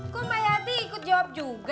kok mbak yati ikut jawab juga